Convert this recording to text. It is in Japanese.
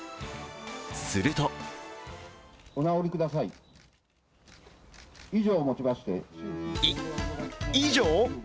するとい、以上！？